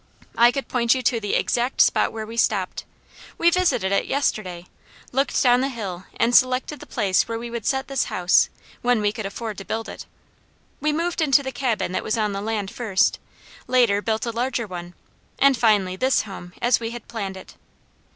I could point you to the exact spot where we stopped; we visited it yesterday, looked down the hill and selected the place where we would set this house, when we could afford to build it. We moved into the cabin that was on the land first, later built a larger one, and finally this home as we had planned it.